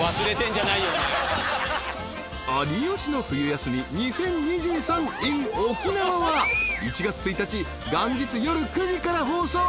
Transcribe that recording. ［『有吉の冬休み２０２３ｉｎ沖縄』は１月１日元日夜９時から放送］